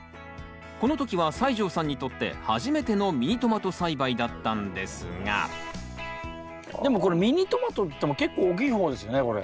この時は西城さんにとって初めてのミニトマト栽培だったんですがでもこれミニトマトっていっても結構大きい方ですよねこれ。